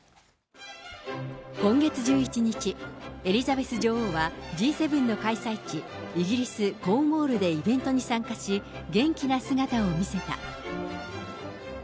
今月１１日、エリザベス女王はＧ７の開催地、イギリス・コーンウォールでイベントに参加し、元気な姿を見せた。